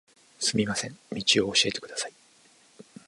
すみません、道を教えてください。